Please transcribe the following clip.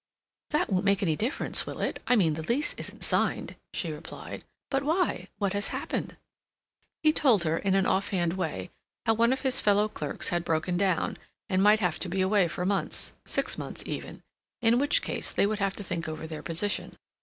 "That won't make any difference, will it? I mean the lease isn't signed," she replied. "But why? What has happened?" He told her, in an off hand way, how one of his fellow clerks had broken down, and might have to be away for months, six months even, in which case they would have to think over their position.